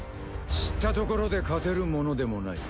知ったところで勝てるものでもない。